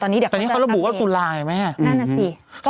อันนี้เขาระบุว่าตุลาไหม